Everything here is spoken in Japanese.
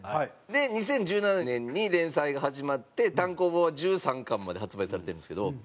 ２０１７年に連載が始まって単行本は１３巻まで発売されてるんですけど。